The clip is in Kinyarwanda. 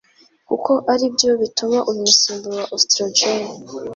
kuko aribyo bituma uyu musemburo wa Ostrogene